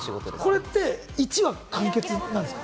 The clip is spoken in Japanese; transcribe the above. これって１話完結なんですか？